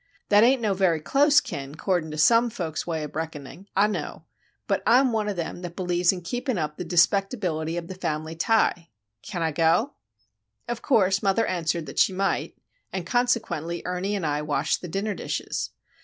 "That ain' no very close kin, 'cordin' to some folks' way ob reckonin', Ah know. But Ah'm one o' them that believes in keepin' up the dispectability ob the fambly tie. C'n Ah go?" Of course, mother answered that she might, and consequently Ernie and I washed the dinner dishes.